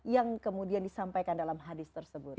yang kemudian disampaikan dalam hadis tersebut